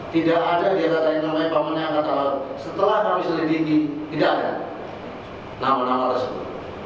tidak ada data yang namanya pamannya angkatan laut setelah kami selidiki tidak ada nama nama tersebut